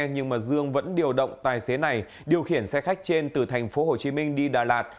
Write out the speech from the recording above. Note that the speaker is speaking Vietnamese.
nhưng dương vẫn điều động tài xế này điều khiển xe khách trên từ thành phố hồ chí minh đi đà lạt